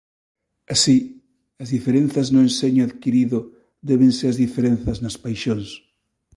Así, as diferenzas no enxeño adquirido débense ás diferenzas nas paixóns.